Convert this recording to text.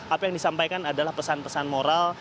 apa yang disampaikan adalah pesan pesan moral